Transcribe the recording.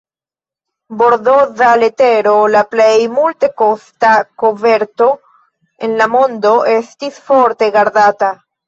Bordoza letero, la plej multekosta koverto en la mondo, estis forte gardata.